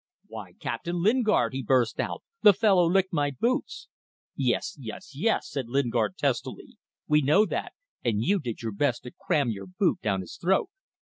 "Why, Captain Lingard," he burst out, "the fellow licked my boots." "Yes, yes, yes," said Lingard, testily, "we know that, and you did your best to cram your boot down his throat.